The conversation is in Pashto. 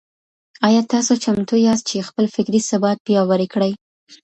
آيا تاسو چمتو ياست چي خپل فکري ثبات پياوړی کړئ؟